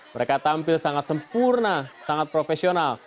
mereka tampil sangat sempurna sangat profesional